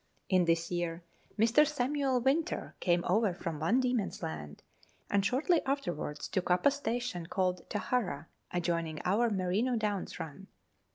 In this year, Mr. Samuel Winter came over from Van Diemen's Land, and shortly afterwards took up a station called Tahara, adjoining our Merino Downs run.